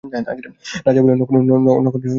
রাজা বলিলেন, নক্ষত্র, তোমার কি অসুখ করিয়াছে?